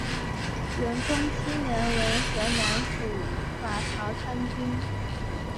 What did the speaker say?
元丰七年为河南府法曹参军。